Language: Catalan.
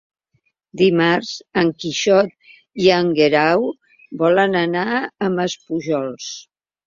Dimarts en Quixot i en Guerau volen anar a Maspujols.